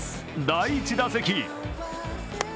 第１打席。